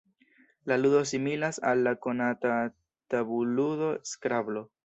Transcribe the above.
La ludo similas al la konata tabul-ludo skrablo.